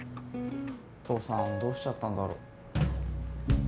父さんどうしちゃったんだろ。